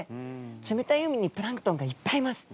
冷たい海にプランクトンがいっぱいいます。